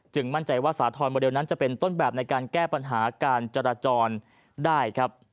มั่นใจว่าสาธรณ์โมเดลนั้นจะเป็นต้นแบบในการแก้ปัญหาการจราจรได้ครับ